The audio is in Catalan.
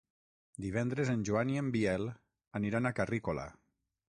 Divendres en Joan i en Biel aniran a Carrícola.